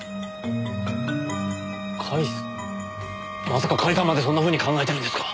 まさか甲斐さんまでそんなふうに考えてるんですか？